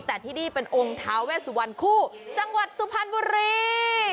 แต่ที่นี่เป็นองค์ท้าเวสวันคู่จังหวัดสุพรรณบุรี